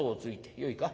よいか。